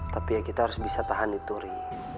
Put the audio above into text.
tapi ya kita harus bisa tahan itu ri